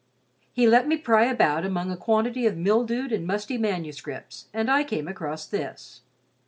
He let me pry about among a quantity of mildewed and musty manuscripts and I came across this.